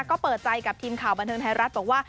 ก็เปิดใจกับทีมข่าวบันเทิงไทยรัฐบอกว่า